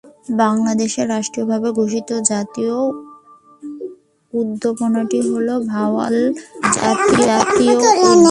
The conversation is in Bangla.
বাংলাদেশে রাষ্ট্রীয়ভাবে ঘোষিত জাতীয় উদ্যানটি হলো 'ভাওয়াল জাতীয় উদ্যান'।